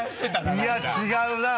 いや違うなぁ！